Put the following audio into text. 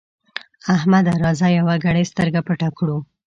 احمده! راځه يوه ګړۍ سترګه پټه کړو.